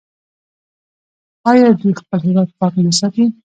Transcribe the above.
آیا دوی خپل هیواد پاک نه ساتي؟